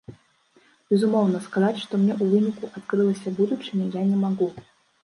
Безумоўна, сказаць, што мне ў выніку адкрылася будучыня, я не магу.